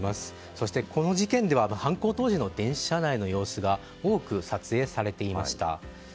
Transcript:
そしてこの事件では犯行時の電車内の様子が多く撮影されていました。